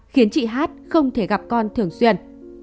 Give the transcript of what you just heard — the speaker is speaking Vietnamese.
khiến chị h không thể gặp con thường xuyên